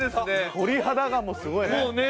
鳥肌がもうすごいね。